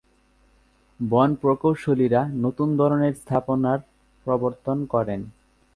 বন প্রকৌশলীরা নতুন ধরনের স্থাপনার প্রবর্তন করেন।